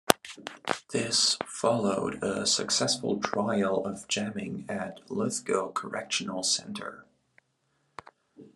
This followed a successful trial of jamming at Lithgow Correctional Centre.